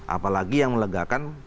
apalagi yang melegakan